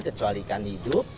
kecuali ikan hidup